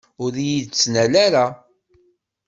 Ur iyi-d-ttnal ara!